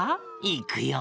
いくよ！